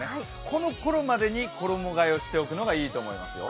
この頃までに衣替えをしておくのがいいと思いますよ。